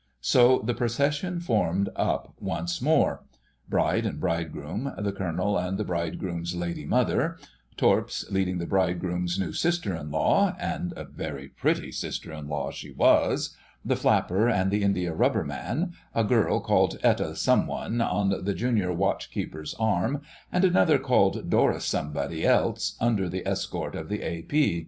So the procession formed up once more: Bride and Bridegroom, the Colonel and the Bridegroom's Lady Mother: Torps leading the Bridegroom's new sister in law (and a very pretty sister in law she was), the Flapper and the Indiarubber Man, a girl called Etta Someone on the Junior Watch keeper's arm, and another called Doris Somebody Else under the escort of the A.P.